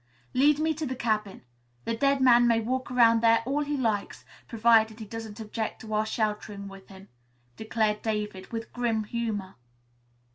"Lead me to the cabin. The dead man may walk around there all he likes, provided he doesn't object to our sheltering with him," declared David with grim humor.